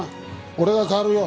俺が代わるよ。